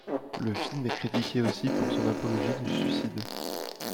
Le film est critiqué aussi pour son apologie du suicide.